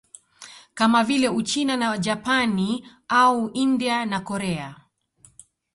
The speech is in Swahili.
Kama vile Uchina na Japani au India na Korea